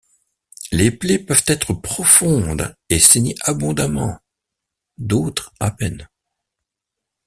Les plaies peuvent être profondes et saigner abondamment, d'autres à peine.